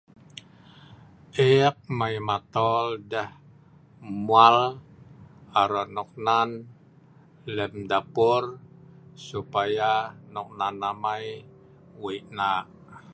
Eek mai matol deh arok NOKNAN lem lepron. Dei tah NOKNAN Wei na’